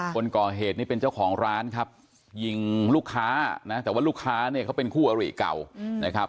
คนก่อเหตุนี่เป็นเจ้าของร้านครับยิงลูกค้านะแต่ว่าลูกค้าเนี่ยเขาเป็นคู่อริเก่านะครับ